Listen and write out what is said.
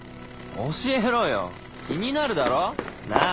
教えろよ気になるだろなぁ。